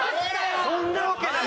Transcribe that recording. そんなわけない。